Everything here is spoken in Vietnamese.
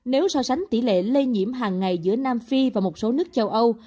nếu so sánh tỷ lệ lây nhiễm hàng ngày giữa nam phi và một số nước châu âu